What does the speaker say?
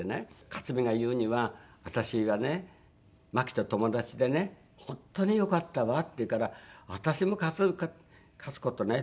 かつみが言うには「私がね麻紀と友達でね本当に良かったわ」って言うから「私もかつことね」